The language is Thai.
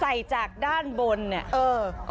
ใส่จากด้านบนเนี่ย